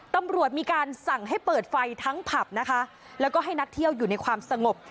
ตำรวจมีการสั่งให้เปิดไฟทั้งผับนะคะแล้วก็ให้นักเที่ยวอยู่ในความสงบ